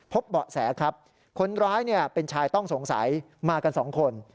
เบาะแสครับคนร้ายเป็นชายต้องสงสัยมากันสองคน